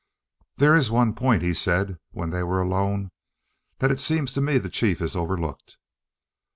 "There is one point," he said when they were alone, "that it seems to me the chief has overlooked."